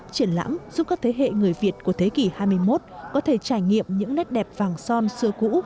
triển lãm giúp các thế hệ người việt của thế kỷ hai mươi một có thể trải nghiệm những nét đẹp vàng son xưa cũ